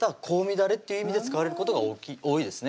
だれっていう意味で使われることが多いですね